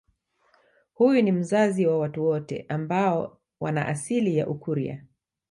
Huyu ni mzazi wa watu wote ambao wana asili ya Ukurya